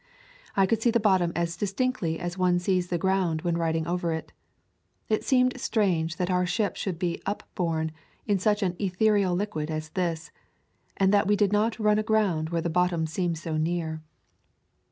I could see the bottom as distinctly as one sees the ground when riding over it. It seemed strange that our ship should be upborne in such an ethereal liquid as this, and that we did not run aground where the bottom seemed so near.